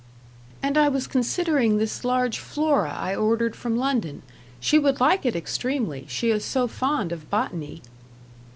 "And I was considering this large Flora I ordered from London, she would like it extremely: she is so fond of botany."